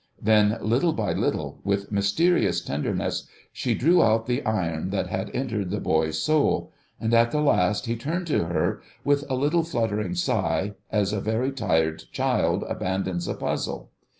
Then little by little, with mysterious tenderness, she drew out the iron that had entered the boyish soul. And, at the last, he turned to her with a little fluttering sigh, as a very tired child abandons a puzzle.